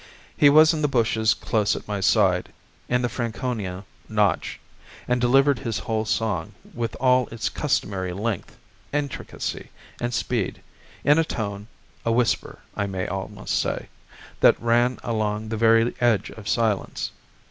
He was in the bushes close at my side, in the Franconia Notch, and delivered his whole song, with all its customary length, intricacy, and speed, in a tone a whisper, I may almost say that ran along the very edge of silence.